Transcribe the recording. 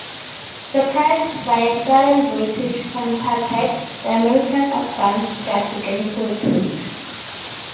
Surprised by a sudden British counterattack, the American advance guard began to retreat.